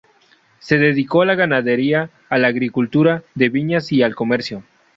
Se dedicó a la ganadería, a la agricultura de viñas y al comercio.